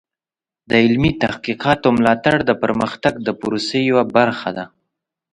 د علمي تحقیقاتو ملاتړ د پرمختګ د پروسې یوه برخه ده.